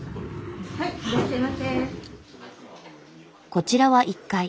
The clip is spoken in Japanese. こちらは１階。